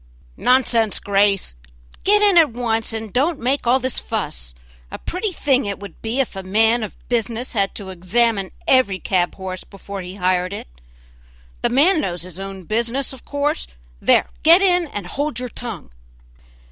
"Nonsense, Grace, get in at once, and don't make all this fuss; a pretty thing it would be if a man of business had to examine every cab horse before he hired it the man knows his own business of course; there, get in and hold your tongue!"